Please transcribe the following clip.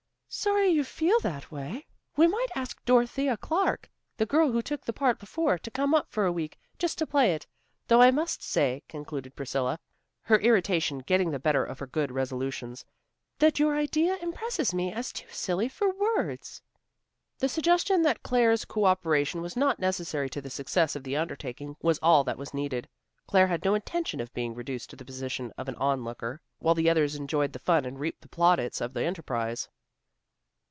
"Sorry you feel that way. We might ask Dorothea Clarke, the girl who took the part before, to come up for a week, just to play it. Though I must say," concluded Priscilla, her irritation getting the better of her good resolutions, "that your idea impresses me as too silly for words." The suggestion that Claire's coöperation was not necessary to the success of the undertaking was all that was needed. Claire had no intention of being reduced to the position of an on looker, while the others enjoyed the fun and reaped the plaudits of the enterprise.